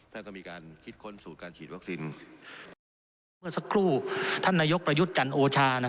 เพื่อสักครู่ท่านนายยกประยุทธ์จันทร์โอชา